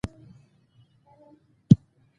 کوچيان دي، د سيند پر غاړه مو له سلامتې رمې سره ونيول.